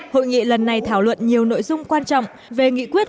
hội nghị lần này thảo luận nhiều nội dung quan trọng về nghị quyết